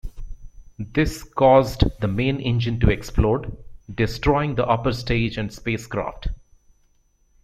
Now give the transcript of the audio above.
This caused the main engine to explode, destroying the upper stage and spacecraft.